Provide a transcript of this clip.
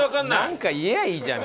なんか言えばいいじゃん